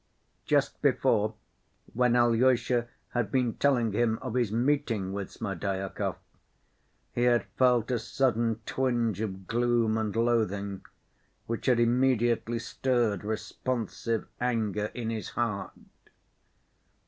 Just before, when Alyosha had been telling him of his meeting with Smerdyakov, he had felt a sudden twinge of gloom and loathing, which had immediately stirred responsive anger in his heart.